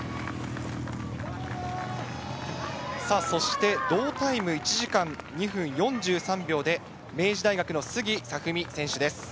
そして同タイム、１時間２分４３秒で明治大学の杉彩文海選手です。